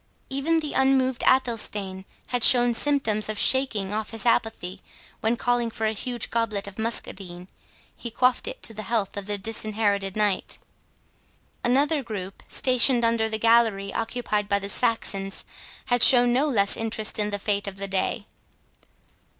Even the unmoved Athelstane had shown symptoms of shaking off his apathy, when, calling for a huge goblet of muscadine, he quaffed it to the health of the Disinherited Knight. Another group, stationed under the gallery occupied by the Saxons, had shown no less interest in the fate of the day.